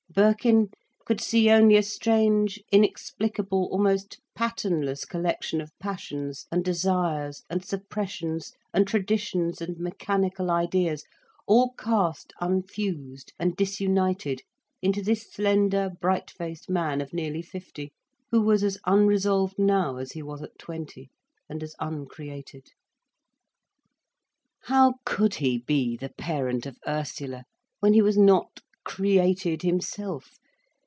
Birkin could see only a strange, inexplicable, almost patternless collection of passions and desires and suppressions and traditions and mechanical ideas, all cast unfused and disunited into this slender, bright faced man of nearly fifty, who was as unresolved now as he was at twenty, and as uncreated. How could he be the parent of Ursula, when he was not created himself.